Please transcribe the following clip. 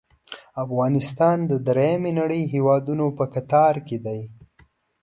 افغانستان د دریمې نړۍ هیوادونو په کتار کې دی.